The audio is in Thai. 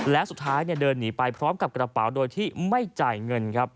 แล้วสุดท้ายเดินหนีไปพร้อมกับกระเป๋าโดยที่ไม่จ่ายเงินครับ